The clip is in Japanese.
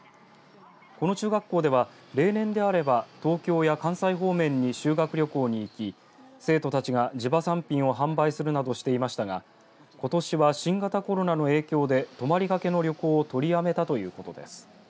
この中学校では例年であれば東京や関西方面に修学旅行に行き生徒たちが地場産品を販売するなどしていましたがことしは新型コロナの影響で泊まりがけの旅行を取りやめたということです。